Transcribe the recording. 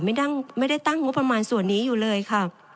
ไม่ได้ตั้งงบประมาณส่วนนี้อยู่เลยค่ะ